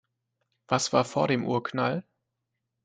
Was war vor dem Urknall?